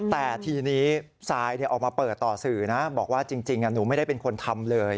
แต่ทีนี้ซายออกมาเปิดต่อสื่อนะบอกว่าจริงหนูไม่ได้เป็นคนทำเลย